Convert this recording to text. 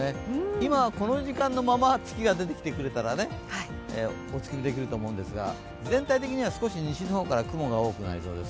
今、この時間のまま月が出てきてくれたらお月見できると思うんですが全体的に少し西の方から雲が多くなりそうです。